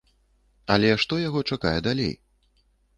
Але што яго чакае далей?